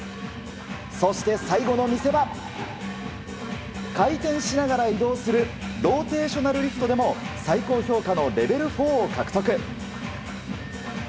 そして、最後の見せ場回転しながら移動するローテーショナルリフトでも最高評価のレベル４を獲得。